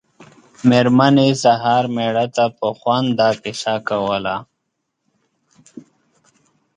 مېرمنې سهار مېړه ته په خوند دا کیسه کوله.